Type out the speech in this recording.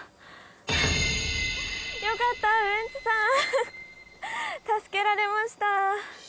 よかったウエンツさん助けられました